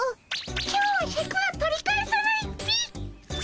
今日はシャクは取り返さないっピ。